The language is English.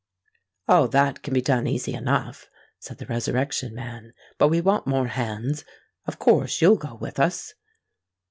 "All that can be done easy enough," said the Resurrection Man. "But we want more hands. Of course you'll go with us?"